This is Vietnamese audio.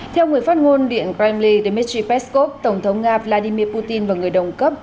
theo người phát ngôn điện kremlin dmitry peskov tổng thống nga vladimir putin và người đồng cấp